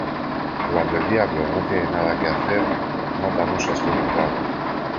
Cuando el diablo no tiene nada que hacer mata moscas con el rabo.